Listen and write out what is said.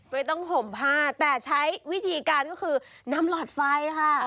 ไม่ต้องห่มผ้าแต่ใช้วิธีการก็คือนำหลอดไฟค่ะ